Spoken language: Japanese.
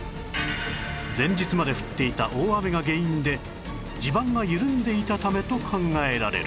前日まで降っていた大雨が原因で地盤が緩んでいたためと考えられる